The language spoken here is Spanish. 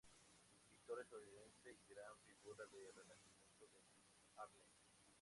Pintor estadounidense y gran figura del Renacimiento de Harlem.